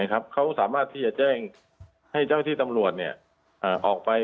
เขาสามารถที่จะแจ้งให้เจ้าที่ตำรวจออกไป